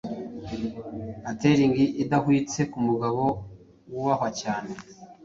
Atheling idahwitse kumugabo wubahwa cyane